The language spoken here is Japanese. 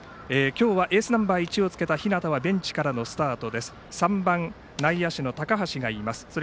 今日はエースナンバー１をつけた日當はベンチからのスタート。